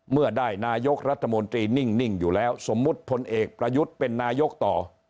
เมื่อได้นายกรัฐมนตรีนิ่งอยู่แล้วสมมุติพลเอกประยุทธ์เป็นนายกต่อ